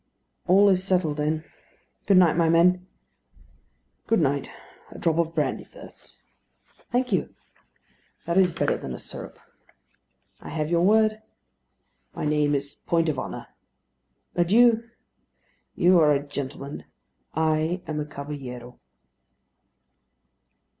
"All is settled, then. Good night, my men." "Good night. A drop of brandy first?" "Thank you." "That is better than a syrup." "I have your word." "My name is Point of Honour." "Adieu." "You are a gentleman: I am a caballero."